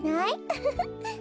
ウフフ。